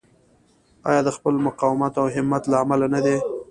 آیا د خپل مقاومت او همت له امله نه دی؟